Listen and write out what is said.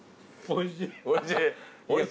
おいしい？